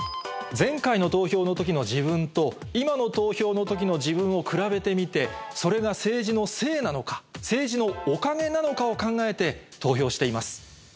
前回の投票のときの自分と今の投票のときの自分を比べてみて、それが政治のせいなのか、政治のおかげなのかを考えて投票しています。